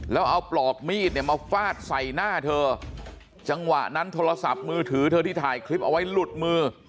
แล้วเอาปลอกมีดเนี่ยมาฟาดใส่หน้าเธอจังหวะนั้นโทรศัพท์มือถือเธอที่ถ่ายคลิปเอาไว้หลุดมือ